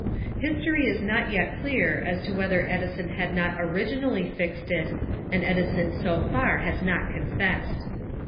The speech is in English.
History is not yet clear as to whether Edison had not originally "fixed" it, and Edison so far has not confessed.